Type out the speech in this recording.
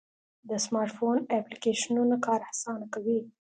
د سمارټ فون اپلیکیشنونه کار آسانه کوي.